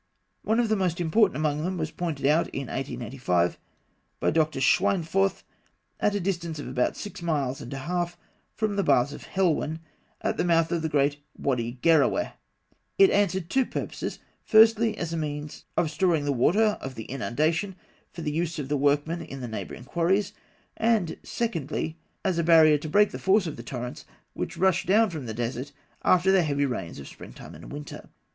One of the most important among them was pointed out, in 1885, by Dr. Schweinfurth, at a distance of about six miles and a half from the Baths of Helwan, at the mouth of the Wady Gerraweh (fig. 47). It answered two purposes, firstly, as a means of storing the water of the inundation for the use of the workmen in the neighbouring quarries; and, secondly, as a barrier to break the force of the torrents which rush down from the desert after the heavy rains of springtime and winter.